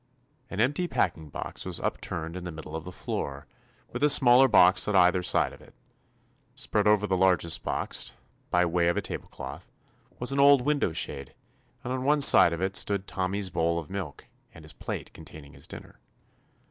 An empty packing box was up turned in the middle of the floor, with a smaller box at either side of it. Spread over the largest box, by way of a tablecloth, was an old window shade, and on one side of it stood Tommy's bowl of milk and his plate containing his dinner.